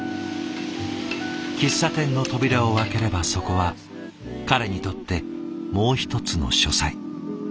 喫茶店の扉を開ければそこは彼にとってもう一つの書斎。